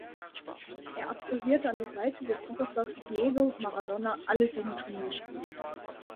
Er absolvierte an der Seite des Superstars Diego Maradona alle sieben Turnierspiele.